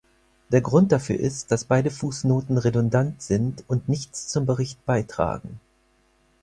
Der Grund dafür ist, dass beide Fußnoten redundant sind und nichts zum Bericht beitragen.